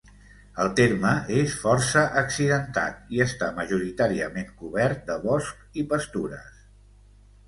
El terme és força accidentat i està majoritàriament cobert de boscs i pastures.